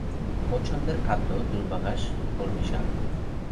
পছন্দের খাদ্য দূর্বাঘাস, কলমি শাক